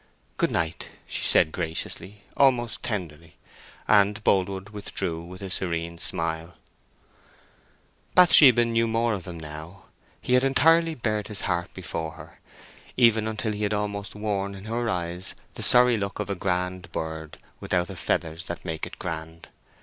"Good night," she said, graciously—almost tenderly; and Boldwood withdrew with a serene smile. Bathsheba knew more of him now; he had entirely bared his heart before her, even until he had almost worn in her eyes the sorry look of a grand bird without the feathers that make it grand.